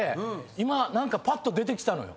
今何かぱっと出てきたのよ。